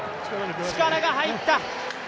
力が入った。